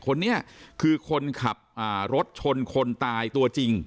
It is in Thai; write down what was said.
คนนี้คือคนขับรถชนคนตายตัวจริง